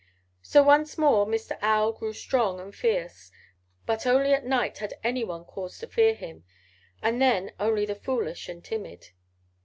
"So once more Mr. Owl grew strong and fierce. But only at night had anyone cause to fear him, and then only the foolish and timid.